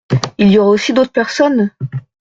Il y aura aussi d’autres personnes ?